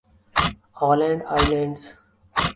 Aland islands